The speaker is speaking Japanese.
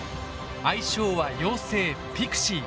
愛称は妖精「ピクシー」。